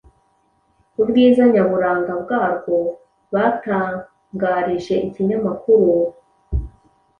ubwiza nyaburanga bwarwo, batangarije ikinyamkuru